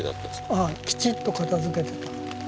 ああきちっと片づけてた。